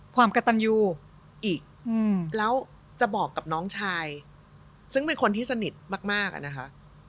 ความกระตันยูอีกแล้วจะบอกกับน้องชายซึ่งเป็นคนที่สนิทมากอะนะคะ